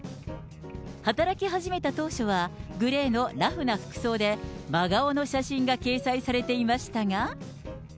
働き始めた当初は、グレーのラフな服装で、真顔の写真が掲載されていましたが。